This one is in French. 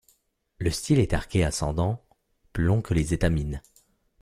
Le style est arqué ascendant, plus long que les étamines.